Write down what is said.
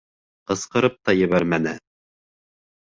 Ҡысҡырып та ебәрмәне.